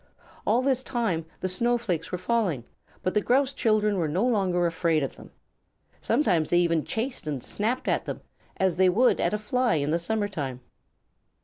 All this time the snowflakes were falling, but the Grouse children were no longer afraid of them. Sometimes they even chased and snapped at them as they would at a fly in summer time.